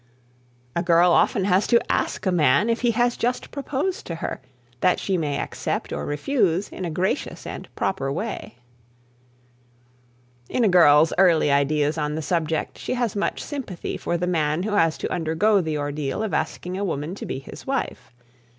A girl often has to ask a man if he has just proposed to her, that she may accept or refuse, in a gracious and proper way. [Sidenote: The Ordeal] In a girl's early ideas on the subject, she has much sympathy for the man who has to undergo the ordeal of asking a woman to be his wife.